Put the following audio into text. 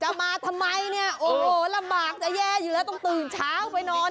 มาทำไมเนี่ยโอ้โหลำบากจะแย่อยู่แล้วต้องตื่นเช้าไปนอน